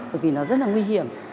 bởi vì nó rất là nguy hiểm